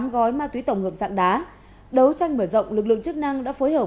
tám gói ma túy tổng hợp dạng đá đấu tranh mở rộng lực lượng chức năng đã phối hợp